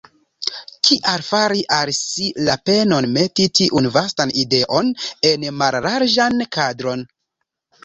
Kial fari al si la penon meti tiun vastan ideon en mallarĝan kadron?